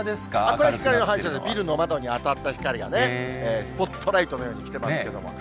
これは光の反射で、ビルの窓に当たった光がね、スポットライトのようにきてますけど。